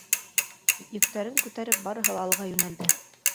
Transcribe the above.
Йөктәрен күтәреп, барыһы ла алға йүнәлде.